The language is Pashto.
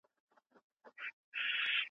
شالمار ځاى د مېلې دى